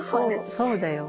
そうだよ。